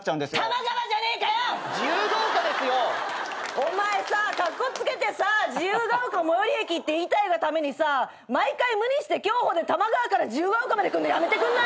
お前さカッコつけて自由が丘を最寄り駅って言いたいがためにさ毎回無理して競歩で多摩川から自由が丘まで来んのやめてくんない！？